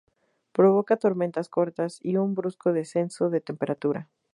Provoca tormentas cortas y un brusco descenso de temperatura.